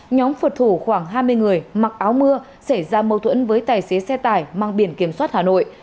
nhóm phật thủ khoảng hai mươi người mặc áo mưa xảy ra mâu thuẫn với tài xế xe tải mang biển kiểm soát hà nội